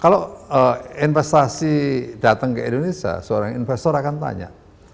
kalau investasi datang ke indonesia seorang investor akan tanya